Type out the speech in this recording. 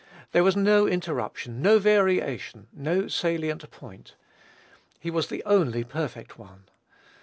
There was no interruption, no variation, no salient point. He was the only perfect One.